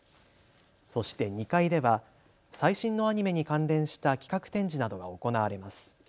そして２階では最新のアニメに関連した企画展示などが行われます。